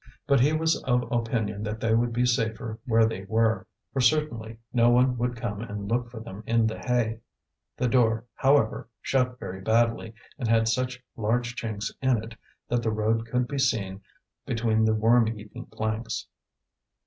But he was of opinion that they would be safer where they were, for certainly no one would come and look for them in the hay. The door, however, shut very badly, and had such large chinks in it, that the road could be seen between the worm eaten planks.